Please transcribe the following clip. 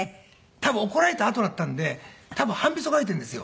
多分怒られたあとだったんで多分半べそかいているんですよ。